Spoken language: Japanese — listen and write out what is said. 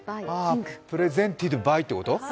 プレゼンテッド・バイってこと？